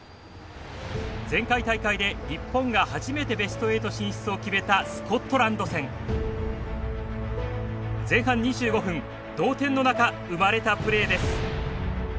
前回大会で日本が初めてベスト８進出を決めたスコットランド戦。前半２５分同点の中生まれたプレーです。